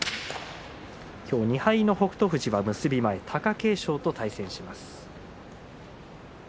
今日２敗の北勝富士は結び前、貴景勝と対戦します。